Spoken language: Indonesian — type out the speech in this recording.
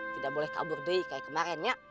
tidak boleh kabur deh seperti kemarin ya